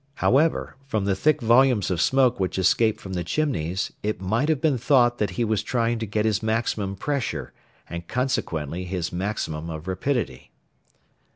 However, from the thick volumes of smoke which escaped from the chimneys, it might have been thought that he was trying to get his maximum pressure, and, consequently his maximum of rapidity.